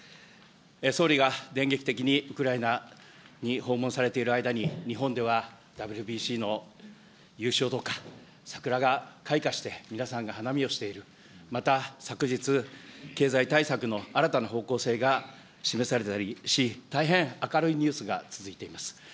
総理が電撃的にウクライナに訪問されている間に、日本ではＷＢＣの優勝とか、桜が開花して、皆さんが花見をしている、また昨日、経済対策の新たな方向性が示されたりし、大変明るいニュースが続いています。